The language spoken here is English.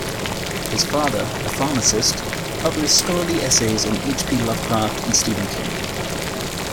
His father, a pharmacist, published scholarly essays on H. P. Lovecraft and Stephen King.